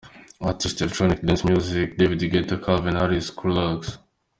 Artist, electronic dance music: David Guetta, Calvin Harris, Skrillex.